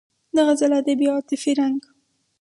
د غزل ادبي او عاطفي رنګ